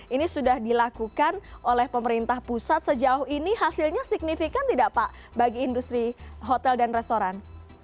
ini sudah dilakukan oleh pemerintah pusat sejauh ini hasilnya signifikan tidak pak bagi industri hotel dan restoran